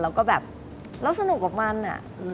แล้วสนุกกับมัน